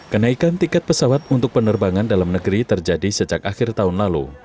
kenaikan tiket pesawat untuk penerbangan dalam negeri terjadi sejak akhir tahun lalu